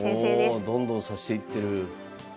おどんどん指していってる。